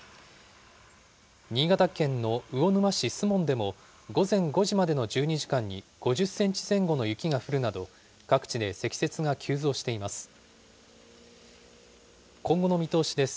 新潟県の魚沼市守門でも午前５時までの１２時間に５０センチ前後の雪が降るなど、各地で積雪が急増しています。